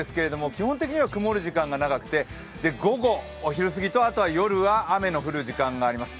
基本的には曇る時間が長くて午後、お昼過ぎと夜は雨の降る時間があります。